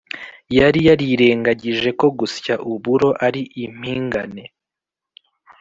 yari yarirengagije ko gusya uburo ari impingane.